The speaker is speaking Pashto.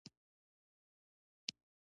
دا قسمه درد عموماً د سر د شا نه شورو کيږي